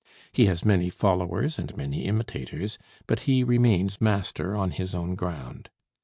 He has many followers and many imitators, but he remains master on his own ground.